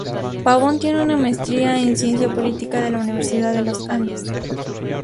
Pabón tiene una maestría en Ciencia Política de la Universidad de los Andes.